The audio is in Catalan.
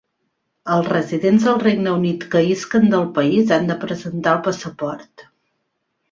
Els residents del Regne Unit que isquen del país han de presentar el passaport.